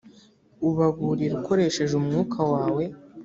ubaburira ukoresheje umwuka wawe